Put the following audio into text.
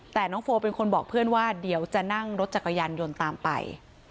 แต่น้องโฟเป็นคนบอกเพื่อนว่าเดี๋ยวจะนั่งรถจักรยานยนต์ตามไป